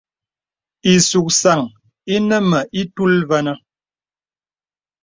Ìsùksaŋ ìnə mə ìtul və̄nə̄.